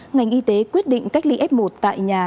ngành y tế quyết định cách ly f một tại nhà